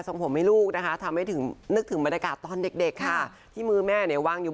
หลังผมให้ลูกนะฮะทำให้ถึงนึกถึงบรรงาการตอนเด็กค่ะที่มือแม่ในวางอยู่